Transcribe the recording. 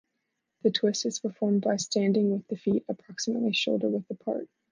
The twist is performed by standing with the feet approximately shoulder width apart.